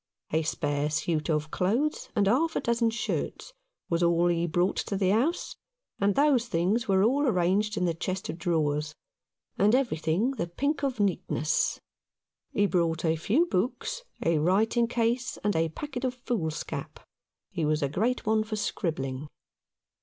A spare suit of clothes and half a dozen shirts was all he brought to the house, and those things were all arranged in the chest of drawers, and everything the pink of neatness. He brought a few books, a writing case, and a packet of foolscap. He was a great one for scribbling.